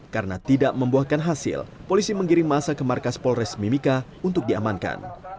karena tidak membuahkan hasil polisi mengirim masa ke markas polres mimika untuk diamankan